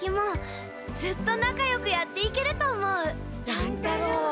乱太郎。